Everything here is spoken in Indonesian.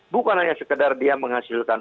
bukan hanya sekedar dia menghasilkan